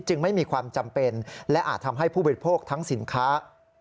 ไม่มีความจำเป็นและอาจทำให้ผู้บริโภคทั้งสินค้า